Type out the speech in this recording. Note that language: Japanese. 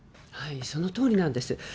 そのとおりなんです。